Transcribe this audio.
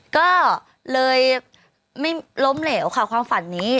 ก็เลยไม่ล้มเหลวค่ะความฝันนี้